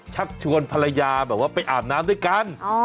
ชักชวนภรรยาแบบว่าไปอาบน้ำด้วยกัน